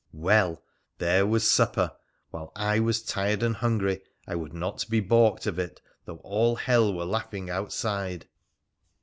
Well ! there was supper, while I was tired and hungry I would not be baulked of it though all hell were laughing outside.